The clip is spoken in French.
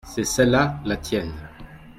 c'est celle-là la tienne.